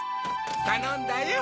たのんだよ。